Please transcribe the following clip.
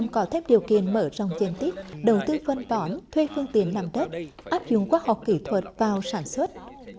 đồng tiền mở rộng trên tiết đầu tư phân tỏn thuê phương tiền làm đất áp dụng khoa học kỹ thuật vào sản xuất